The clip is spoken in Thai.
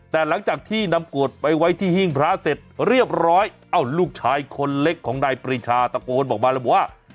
แต่หลังจากที่นำกวดไปไว้ที่หิ้งพระเสร็จเรียบร้อยเอ้าลูกชายคนเล็กของนายปรีชาตะโกนบอกมาเลยบอกว่า